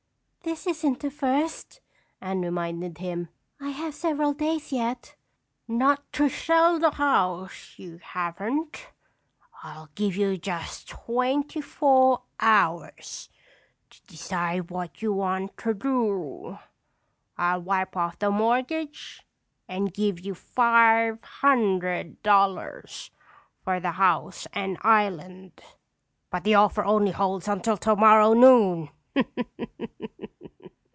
"This isn't the first," Anne reminded him. "I have several days yet." "Not to sell the house, you haven't. I'll give you just twenty four hours to decide what you want to do. I'll wipe off the mortgage and give you five hundred dollars for the house and island. But the offer only holds until tomorrow noon."